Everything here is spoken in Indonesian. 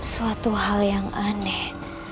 suatu hal yang aneh